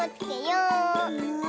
うん？